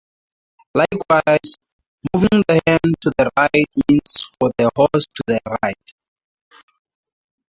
Likewise, moving the hand to the right means for the horse to turn right.